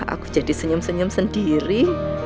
aku jadi senyum senyum sendiri